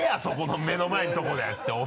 そこの目の前のとこで！